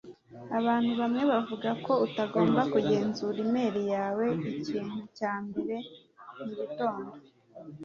Abantu bamwe bavuga ko utagomba kugenzura imeri yawe ikintu cya mbere mugitondo